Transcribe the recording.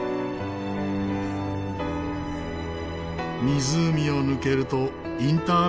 湖を抜けるとインター